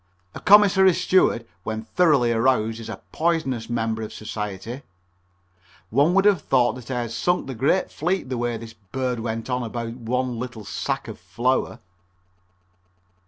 A commissary steward when thoroughly aroused is a poisonous member of society. One would have thought that I had sunk the great fleet the way this bird went on about one little sack of flour.